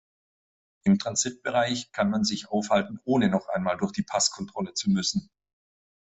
Im Transitbereich kann man sich aufhalten, ohne noch einmal durch die Passkontrolle zu müssen.